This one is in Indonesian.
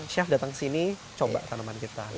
chef datang ke sini coba tanaman kita